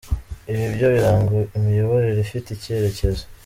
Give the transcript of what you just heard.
Ibi ibyo biranga imiyoborere ifite icyerekezo.